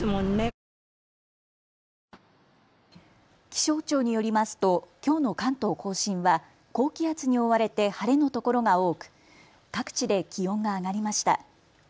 気象庁によりますと、きょうの関東甲信は高気圧に覆われて晴れのところが多く各地で気温が上がりました。